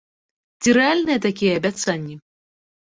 Ці рэальныя такія абяцанні?